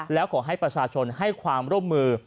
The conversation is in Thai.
แล้วขอให้ประชาชนให้ความร่วมมือ